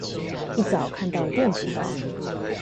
一早看到電子報